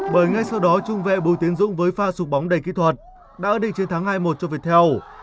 bởi ngay sau đó trung vệ bùi tiến dũng với pha sục bóng đầy kỹ thuật đã ứng định chiến thắng hai một cho việt theo